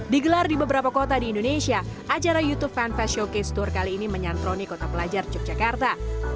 digelar di beberapa kota di indonesia acara youtube fanfest showcase tour kali ini menyantroni kota pelajar yogyakarta